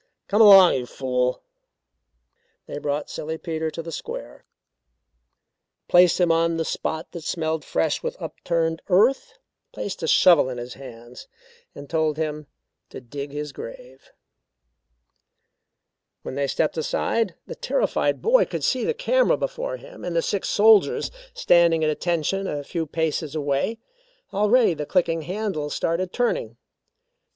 "Come along, you fool!" They brought Silly Peter to the square, placed him on the spot that smelled fresh with upturned earth, placed a shovel in his hands and told him to dig his grave. When they stepped aside, the terrified boy could see the camera before him and the six soldiers standing at attention a few paces away. Already the clicking handles started turning.